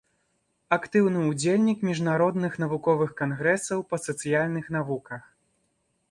Актыўны ўдзельнік міжнародных навуковых кангрэсаў па сацыяльных навуках.